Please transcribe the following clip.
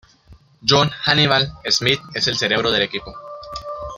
Jonh "Hannibal" Smith es el cerebro del equipo.